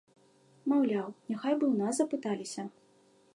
Маўляў, няхай бы ў нас запыталіся.